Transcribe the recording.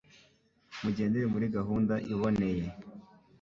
mugendere muri gahunda iboneye